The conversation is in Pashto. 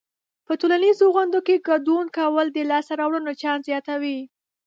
په ټولنیزو غونډو کې ګډون کول د لاسته راوړنو چانس زیاتوي.